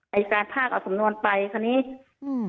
อายการภาคเอาสำนวนไปคราวนี้อืม